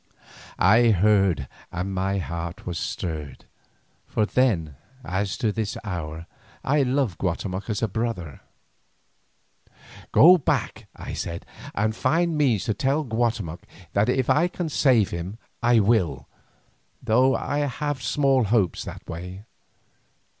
I heard and my heart was stirred, for then, as to this hour, I loved Guatemoc as a brother. "Go back," I said, "and find means to tell Guatemoc that if I can save him I will, though I have small hopes that way.